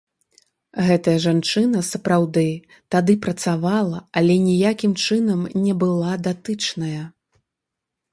Гэтая жанчына, сапраўды, тады працавала, але ніякім чынам не была датычная.